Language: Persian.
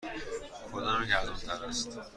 کدامیک ارزان تر است؟